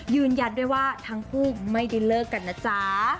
ยืนยันด้วยว่าทั้งคู่ไม่ได้เลิกกันนะจ๊ะ